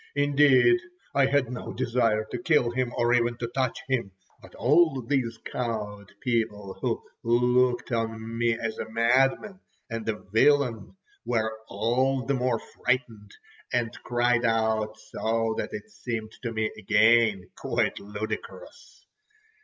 Indeed, I had no desire to kill him, or even to touch him; but all these cowed people who looked on me as a madman and a villain, were all the more frightened, and cried out so that it seemed to me again quite ludicrous.